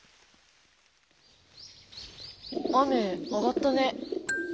雨あがったね。